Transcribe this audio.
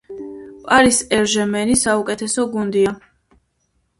პარისერჟემენი საუკეტესო გუნდია